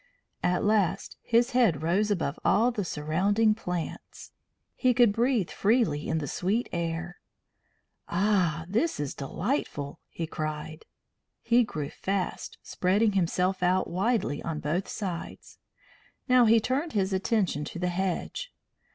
At last his head rose above all the surrounding plants. He could breathe freely in the sweet air. "Ah! this is delightful!" he cried. He grew fast, spreading himself out widely on both sides. Next he turned his attention to the hedge.